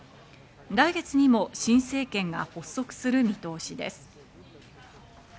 来月にも新政権が発足する見通しです。